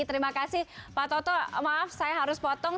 terima kasih pak toto maaf saya harus potong